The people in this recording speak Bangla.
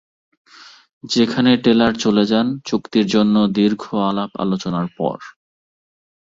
যেখানে টেলার চলে যান চুক্তির জন্য দীর্ঘ আলাপ-আলোচনার পর।